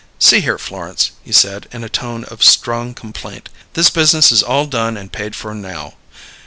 "See here, Florence," he said, in a tone of strong complaint. "This business is all done and paid for now.